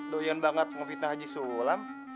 doyen banget mau fitnah haji sulam